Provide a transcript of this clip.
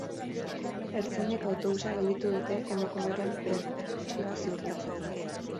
Ertzainek autobusa gelditu dute emakumearen bertsioa ziurtatzeko.